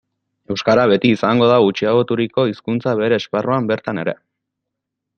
Euskara beti izango da gutxiagoturiko hizkuntza bere esparruan bertan ere.